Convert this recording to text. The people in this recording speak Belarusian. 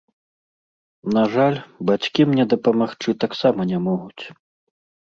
На жаль, бацькі мне дапамагчы таксама не могуць.